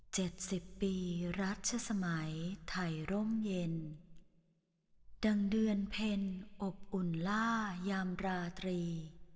สิบปีรัชสมัยไทยร่มเย็นดังเดือนเพ็ญอบอุ่นล่ายามราตรี